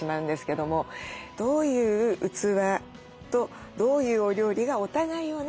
どういう器とどういうお料理がお互いをね